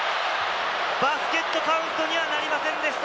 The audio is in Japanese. バスケットカウントにはなりませんでした。